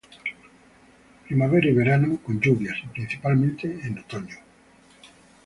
Primavera y verano con lluvias, y principalmente en otoño.